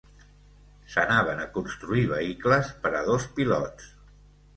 S'anaven a construir vehicles per a dos pilots.